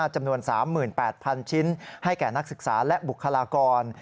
จำนวน๓๘๐๐๐ชิ้นให้แก่นักศึกษาและบุคลากร